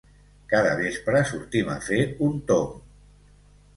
Cada vespre sortim a fer un tomb.